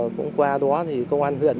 cũng qua đó công an huyện